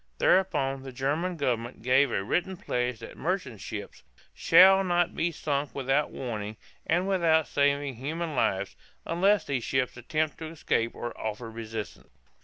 Thereupon the German government gave a written pledge that merchant ships "shall not be sunk without warning and without saving human lives, unless these ships attempt to escape or offer resistance."